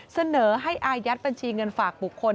เสนอให้อายัดบัญชีเงินฝากบุคคล